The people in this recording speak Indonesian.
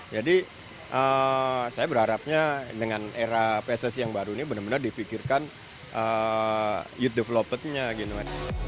jadi saya berharapnya dengan era pssi yang baru ini bener bener dipikirkan youth developernya gitu kan